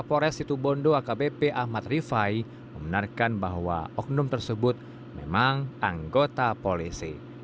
kapolres situbondo akbp ahmad rifai membenarkan bahwa oknum tersebut memang anggota polisi